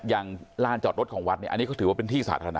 ลานจอดรถของวัดเนี่ยอันนี้ก็ถือว่าเป็นที่สาธารณะ